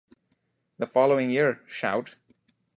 The following year, Shout!